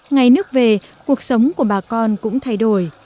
ngày nước về cuộc sống của bà con cũng thay đổi